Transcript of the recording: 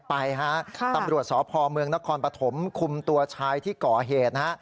ไปฮะตำรวจสพเมืองนครปฐมคุมตัวชายที่ก่อเหตุนะฮะ